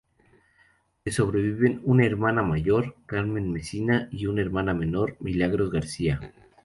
Le sobreviven una hermana mayor, Carmen Mesina, y una hermana menor Milagros García.